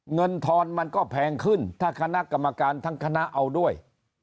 ทอนมันก็แพงขึ้นถ้าคณะกรรมการทั้งคณะเอาด้วย